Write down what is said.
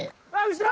後ろ！